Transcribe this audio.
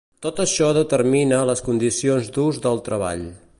Tot això determina les condicions d’ús del treball.